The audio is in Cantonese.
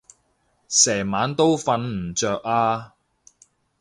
成晚都瞓唔著啊